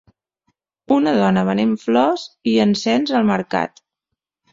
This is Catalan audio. Una dona venent flors i encens al mercat.